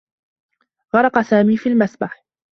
غرق سامي في مسبح.